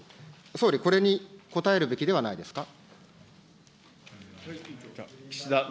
総理、これにこたえるべきではないですか。